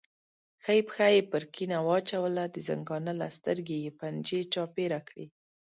ښي پښه یې پر کیڼه واچوله، د زنګانه له سترګې یې پنجې چاپېره کړې.